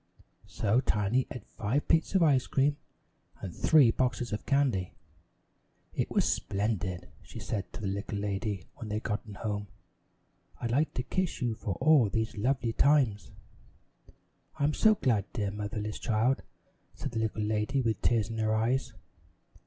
So Tiny ate five plates of ice cream and three boxes of candy. "It was splendid," she said to the little lady when they'd gotten home. "I'd like to kiss you for all these lovely times." "I'm so glad, dear motherless child," said the little lady with tears in her eyes.